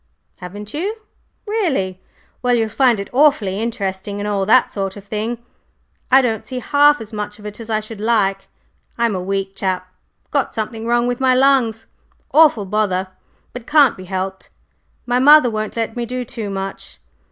"Haven't you? Really! Well, you'll find it awfully interesting and all that sort of thing. I don't see half as much of it as I should like. I'm a weak chap got something wrong with my lungs, awful bother, but can't be helped. My mother won't let me do too much.